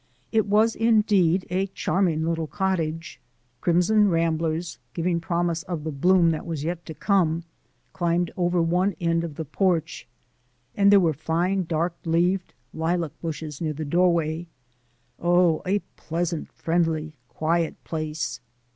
It was indeed a charming little cottage. Crimson ramblers, giving promise of the bloom that was yet to come, climbed over one end of the porch, and there were fine dark leaved lilac bushes near the doorway: oh, a pleasant, friendly, quiet place!